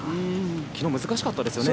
昨日難しかったですよね